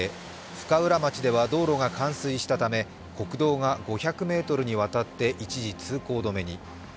深浦町では道路が冠水したため国道が５００ｍにわたって一時、通行止めに。